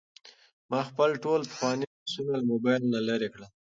ما خپل ټول پخواني عکسونه له موبایل نه لرې کړل.